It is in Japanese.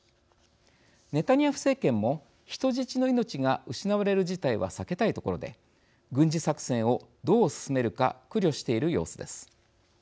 ネタニヤフ政権も人質の命が失われる事態は避けたいところで軍事作戦をどう進めるか苦慮している様子です。